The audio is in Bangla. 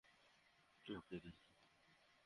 আপনি কে স্যার?